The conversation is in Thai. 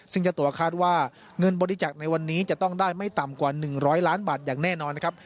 ซึ่งเจ้าตัวคาดว่าเงินบริจาคในวันนี้จะต้องได้ไม่ต่ำกว่า๑๐๐ล้านบาทอย่างแน่นอนนะครับ